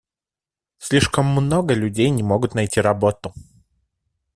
Слишком много людей не могут найти работу.